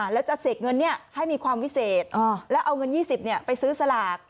แล้วจะเสกเงินให้มีความวิเศษแล้วเอาเงิน๒๐ไปซื้อสลาก